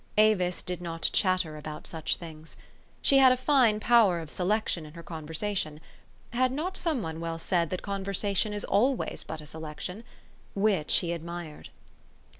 Avis did not chatter about such things. She had a fine power of selection in her conversation (has not some one well said that conversation is always but a selection?) which he admired.